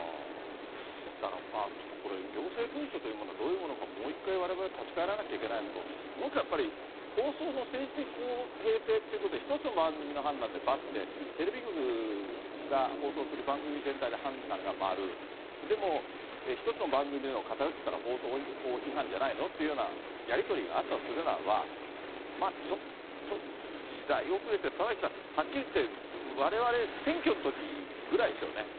だからちょっとこれ、行政文書というものがどういうものか、もう一回われわれ、立ち返らなきゃいけないのと、もう一個はやっぱり、放送の政治的な公平性っていうのを、一つの番組の判断で×で、テレビ局が放送する番組全体で判断が〇、でも、一つの番組でも偏ってたら放送法違反じゃないのっていうようなやり取りがあったとするならば、ちょっと時代遅れっていうか、田崎さん、はっきり言って、われわれ、選挙のときぐらいですよね。